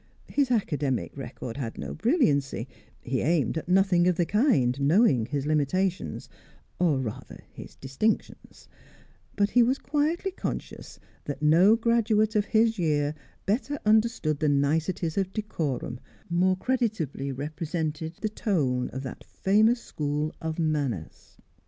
His academic record had no brilliancy; he aimed at nothing of the kind, knowing his limitations or rather his distinctions; but he was quietly conscious that no graduate of his year better understood the niceties of decorum, more creditably represented the tone of that famous school of manners.